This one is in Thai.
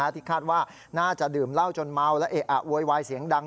ที่คาดว่าน่าจะดื่มเหล้าจนเมาและเอะอะโวยวายเสียงดัง